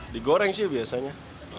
digoreng sih biasanya